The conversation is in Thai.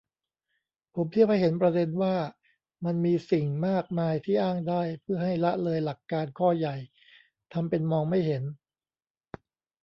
ผมเทียบให้เห็นประเด็นว่า มันมีสิ่งมากมายที่อ้างได้ เพื่อให้ละเลยหลักการข้อใหญ่ ทำเป็นมองไม่เห็น